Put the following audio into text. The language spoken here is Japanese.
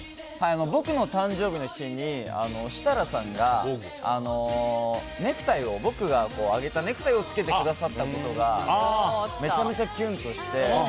僕の誕生日の日に設楽さんが僕があげたネクタイを着けてくださったことがめちゃめちゃキュンとして。